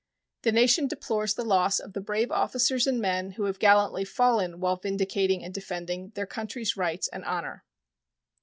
The nation deplores the loss of the brave officers and men who have gallantly fallen while vindicating and defending their country's rights and honor.